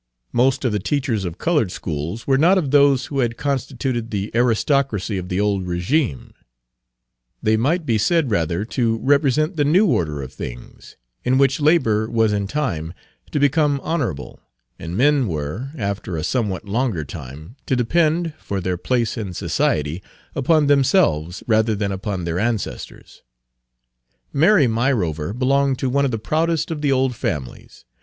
Most of the teachers of colored schools were not of those who had constituted the aristocracy of the old régime; they might be said rather to represent the new order of things, in which labor was in time to become honorable, and men were, after a somewhat longer time, to depend, for their place in society, upon themselves rather than upon their ancestors. Mary Myrover belonged to one of the proudest of the old families.